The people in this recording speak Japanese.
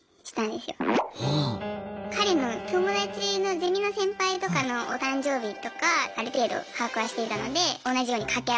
彼の友達のゼミの先輩とかのお誕生日とかある程度把握はしていたので同じように掛け合わせて探していきました。